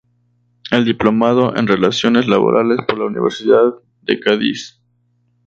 Es diplomado en Relaciones Laborales por la Universidad de Cádiz.